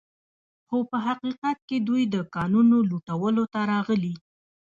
خو په حقیقت کې دوی د کانونو لوټولو ته راغلي